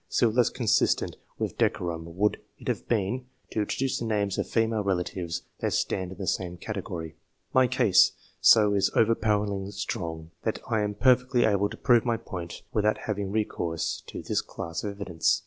Still less consistent with decorum would it have been, to intro duce the names of female relatives that stand in the same category. My case is so overpoweringly strong, that I am perfectly able to prove my point without having recourse to this class of evidence.